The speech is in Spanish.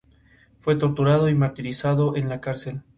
Fue torturado y martirizado en la cárcel.